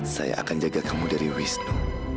saya akan jaga kamu dari wisnu